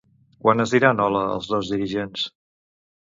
Quan es diran hola els dos dirigents?